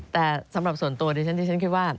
แต่สำหรับส่วนตัวดิฉันดิฉันคิดว่า